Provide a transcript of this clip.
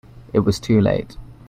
It was too late.